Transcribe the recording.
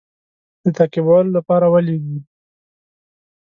د تعقیبولو لپاره ولېږي.